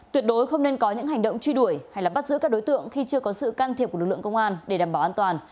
tuyệt đối không nên có những hành động truy đuổi hay bắt giữ các đối tượng khi chưa có sự can thiệp của lực lượng công an để đảm bảo an toàn